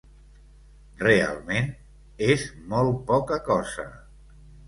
Realment, és molt poca cosa.